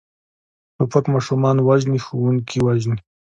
توپک ماشومان وژني، ښوونکي وژني.